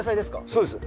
そうです。